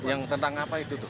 yang tentang apa itu tuh